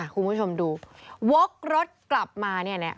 คุณผู้ชมดูวกรถกลับมาเนี่ย